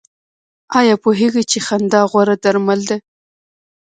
ایا پوهیږئ چې خندا غوره درمل ده؟